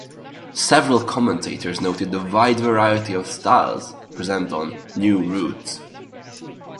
Several commentators noted the wide variety of styles present on "New Routes".